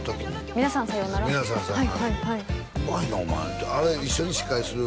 「みなさん、さようなら」の時「うまいなお前」ってあれ一緒に司会する